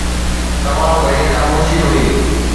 تمام گهڻي خاموشي هئي